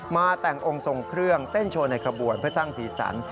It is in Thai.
แต่งองค์ทรงเครื่องเต้นโชว์ในขบวนเพื่อสร้างสีสัน